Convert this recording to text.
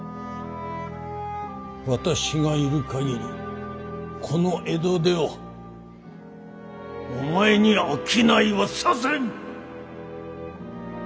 私がいるかぎりこの江戸ではお前に商いはさせん！